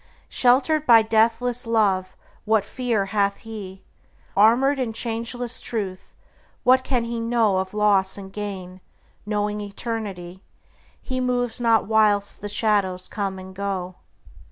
Sheltered by deathless love, what fear hath he? Armored in changeless Truth, what can he know Of loss and gain? Knowing eternity, He moves not whilst the shadows come and go.